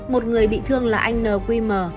một người bị thương là anh nqm